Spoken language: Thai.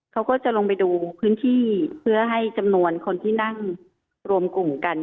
เขาก็จะลงไปดูพื้นที่เพื่อให้จำนวนคนที่นั่งรวมกลุ่มกัน